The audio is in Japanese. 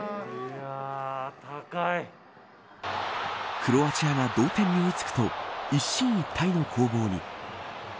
クロアチアが同点に追いつくと一進一退の攻防に。